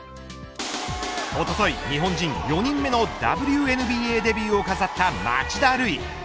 おととい日本人４人目のＷＮＢＡデビューを飾った町田瑠唯。